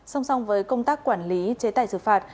song song với công tác quản lý chế tài xử phạt